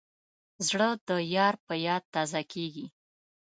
زړه د یار په یاد تازه کېږي.